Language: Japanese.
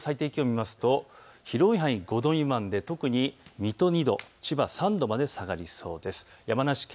最低気温を見ますとと広い範囲５度未満で特に水戸２度、千葉３度まで下がりそうです。